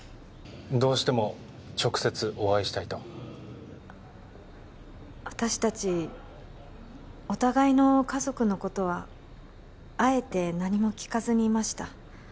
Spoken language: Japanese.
どうしても直接お会いしたいと私達お互いの家族のことはあえて何も聞かずにいました